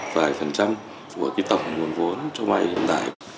vài phần trăm của cái tổng nguồn vốn cho vay hiện tại